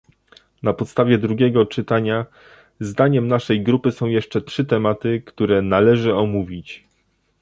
Na podstawie drugiego czytania, zdaniem naszej grupy są jeszcze trzy tematy, które należy omówić